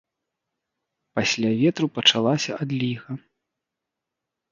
Пасля ветру пачалася адліга.